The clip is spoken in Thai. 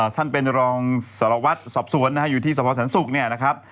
ท่านเป็นรองสารวัตรสอบสวนนะฮะอยู่ที่สภสันศุกร์เนี่ยนะครับ